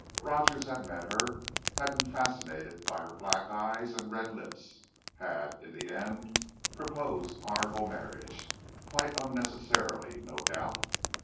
Rogers had met her, had been fascinated by her black eyes and red lips, had, in the end, proposed honourable marriage quite unnecessarily, no doubt!